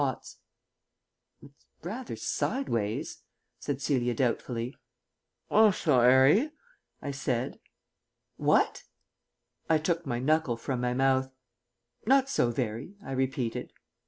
"It's rather sideways," said Celia doubtfully. "Osso erry," I said. "What?" I took my knuckle from my mouth. "Not so very," I repeated.